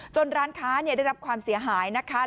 ร้านค้าได้รับความเสียหายนะคะ